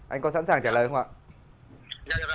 anh có sẵn sàng trả lời không ạ